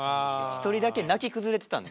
一人だけ泣き崩れてたんで。